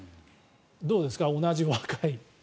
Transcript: どうですか、同じ若い。